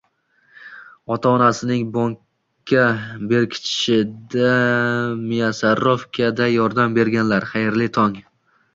Ota-onasining bonka berkitishda мясорубка da yordam berganlar, xayrli tong!